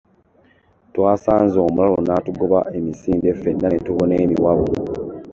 Twasanze omulalu n'atugoba emisinde ffenna ne tubuna emiwabo.